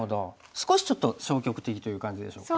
少しちょっと消極的という感じでしょうか。